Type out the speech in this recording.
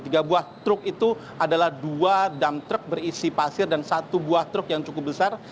tiga buah truk itu adalah dua dam truck berisi pasir dan satu buah truk yang cukup besar